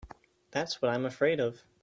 That's what I'm afraid of.